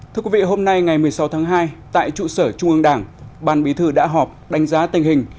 thưa quý vị hôm nay ngày một mươi sáu tháng hai tại trụ sở trung ương đảng ban bí thư đã họp đánh giá tình hình